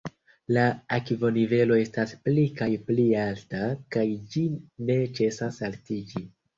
La akvonivelo estas pli kaj pli alta, kaj ĝi ne ĉesas altiĝi.